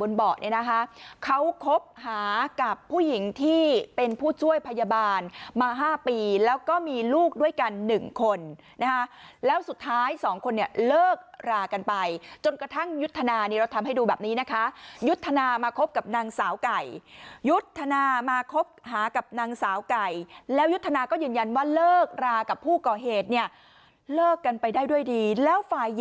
บนเบาะเนี่ยนะคะเขาคบหากับผู้หญิงที่เป็นผู้ช่วยพยาบาลมา๕ปีแล้วก็มีลูกด้วยกันหนึ่งคนนะคะแล้วสุดท้ายสองคนเนี่ยเลิกรากันไปจนกระทั่งยุทธนานี่เราทำให้ดูแบบนี้นะคะยุทธนามาคบกับนางสาวไก่ยุทธนามาคบหากับนางสาวไก่แล้วยุทธนาก็ยืนยันว่าเลิกรากับผู้ก่อเหตุเนี่ยเลิกกันไปได้ด้วยดีแล้วฝ่าย